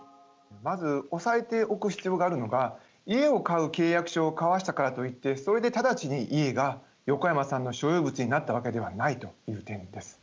まずおさえておく必要があるのが家を買う契約書を交わしたからといってそれでただちに家が横山さんの所有物になったわけではないという点です。